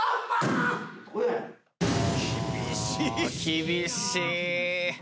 厳しい。